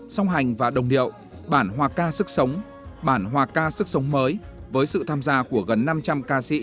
song hành và đồng điệu bản hòa ca sức sống bản hòa ca sức sống mới với sự tham gia của gần năm trăm linh ca sĩ